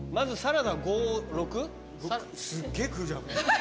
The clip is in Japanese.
すっげえ食うじゃん。